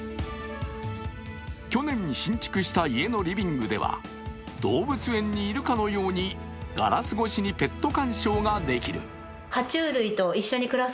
去年新築した家のリビングでは、動物園にいるかのようにガラス越しにペット鑑賞ができる。